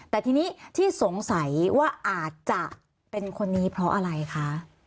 แต่ทีนี้ที่สงสัยว่าอาจจะเป็นคนนี้เพราะอะไรคะ